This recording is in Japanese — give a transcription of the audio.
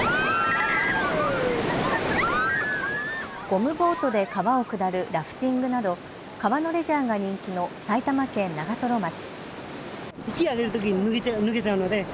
ゴムボートで川を下るラフティングなど川のレジャーが人気の埼玉県長瀞町。